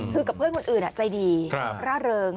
คือกับเพื่อนคนอื่นใจดีร่าเริง